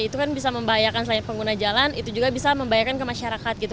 itu kan bisa membahayakan selain pengguna jalan itu juga bisa membahayakan ke masyarakat gitu